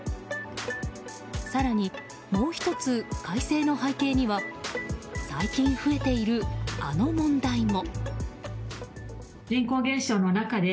更に、もう１つ改正の背景には最近増えている、あの問題も。